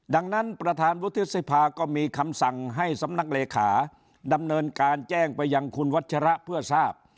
ดังนั้นประธานวุฒิสภาก็มีคำสั่งให้สำนักเลขาดำเนินการแจ้งไปยังคุณวัชระเพื่อทราบ